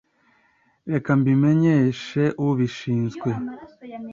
reka mbimenyeshe ubishinzwe